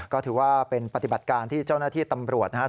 ก็ถือว่าเป็นปฏิบัติการที่เจ้าหน้าที่ตำรวจนะครับ